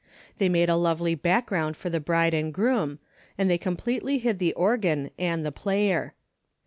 They made a lovely background for the bride and groom, and they completely hid the organ and the player.